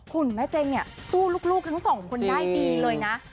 คุณแม่เจงเนี่ยสู้ลูกทั้งสองคนได้ดีเลยนะ